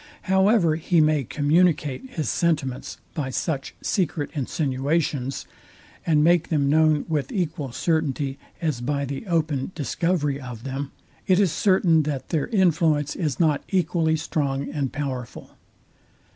However he may communicate his sentiments by such secret insinuations, and make them known with equal certainty as by the open discovery of them, it is certain that their influence is not equally strong and powerful.